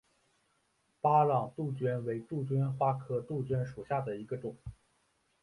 巴朗杜鹃为杜鹃花科杜鹃属下的一个种。